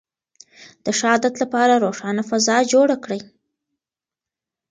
د ښه عادت لپاره روښانه فضا جوړه کړئ.